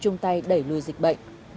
chung tay đẩy lùi dịch bệnh